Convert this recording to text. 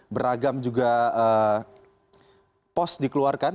beragam juga pos dikeluarkan